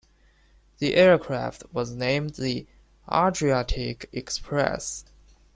The aircraft was named the "Adriatic Express".